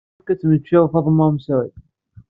Yessefk ad temmecčaw Faḍma Mesɛud.